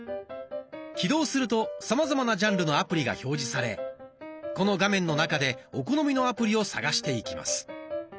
起動するとさまざまなジャンルのアプリが表示されこの画面の中でお好みのアプリを探していきます。